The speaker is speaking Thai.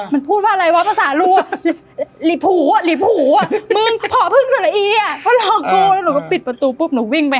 มันพูดว่าอะไรวะภาษารูอะ